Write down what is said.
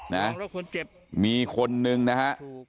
นะมีคนหนึ่งนะฮะ